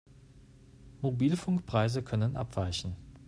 Mobilfunkpreise können abweichen.